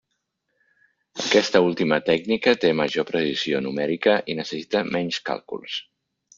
Aquesta última tècnica té major precisió numèrica i necessita menys càlculs.